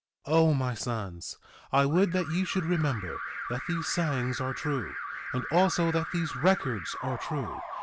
1:6 O my sons, I would that ye should remember that these sayings are true, and also that these records are true.